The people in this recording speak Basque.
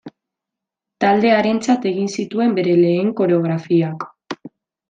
Talde harentzat egin zituen bere lehen koreografiak.